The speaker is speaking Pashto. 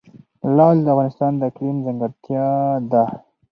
لعل د افغانستان د اقلیم ځانګړتیا ده.